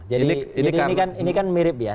jadi ini kan mirip ya